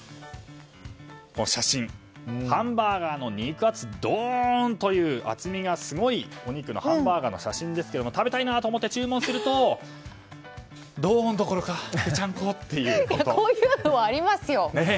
この写真、ハンバーガーの肉厚どん！という厚みがすごいお肉のハンバーガーの写真ですけども食べたいなと思って注文するとドーンどころかこういうのはありますよ。